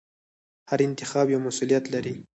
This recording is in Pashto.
هر انتخاب یو مسؤلیت لري.